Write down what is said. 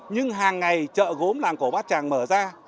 nhưng hàng ngày chợ gốm làng cổ bát tràng mở ra